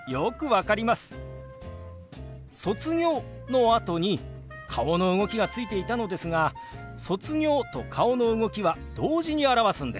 「卒業」のあとに顔の動きがついていたのですが「卒業」と顔の動きは同時に表すんです。